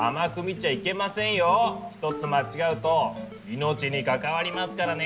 ひとつ間違うと命に関わりますからね！